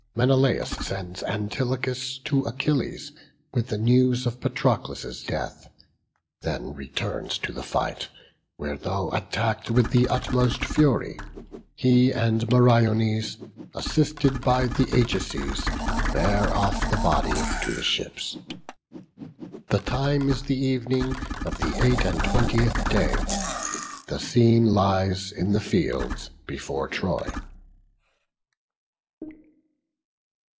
Menelaus sends Antilochus to Achilles, with the news of Patroclus's death: then returns to the fight, where, though attacked with the utmost fury, he and Meriones, assisted by the Ajaces, bear off the body to the ships. The time is the evening of the eight and twentieth day. The scene lies in the fields before Troy.